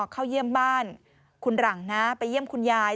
เข้าเยี่ยมบ้านคุณหลังนะไปเยี่ยมคุณยาย